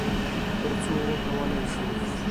تر څو وکولی شو،